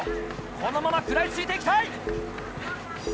このまま食らいついていきたい！